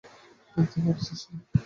দেখতে পারছিস না?